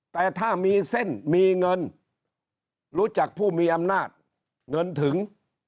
แต่ถ้ามีเส้นมีเงินรู้จักผู้มีอำนาจเงินถึง